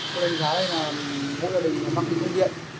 cô đơn giáo là một gia đình bắt đi chung viện